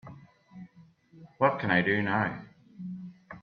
what can I do now?